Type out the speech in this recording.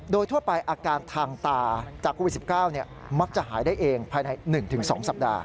โดยทั่วไปอาการทางตาจากโควิด๑๙มักจะหายได้เองภายใน๑๒สัปดาห์